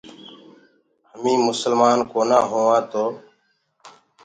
هميٚنٚ مسلمآن ڪونآ هووآنٚ تو